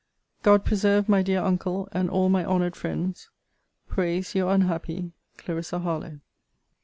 God preserve my dear uncle, and all my honoured friends! prays Your unhappy CLARISSA HARLOWE.